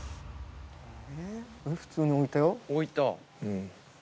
普通に置いたよ。